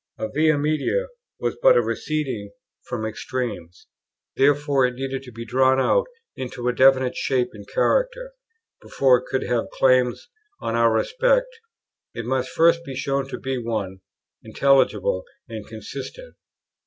A Via Media was but a receding from extremes, therefore it needed to be drawn out into a definite shape and character: before it could have claims on our respect, it must first be shown to be one, intelligible, and consistent.